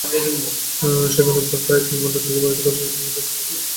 সেখানে প্রায় তিন ঘণ্টা নিজের গাড়িতে বসে দীপিকার জন্য অপেক্ষা করেন।